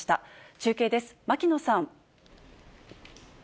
中継です、牧野さん。